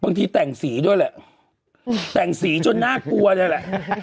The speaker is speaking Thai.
บางทีแต่งสีด้วยแหละแต่งสีจนน่ากลัวเลยแหละ